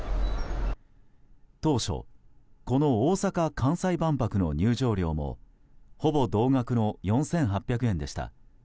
当初この大阪・関西万博の入場料もほぼ同額の４８００円でした。